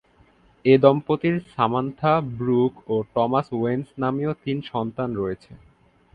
এ দম্পতির Samantha, Brooke ও Thomas Owens নামীয় তিন সন্তান রয়েছে।